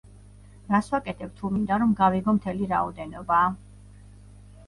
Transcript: რას ვაკეთებ თუ მინდა, რომ გავიგო მთელი რაოდენობა?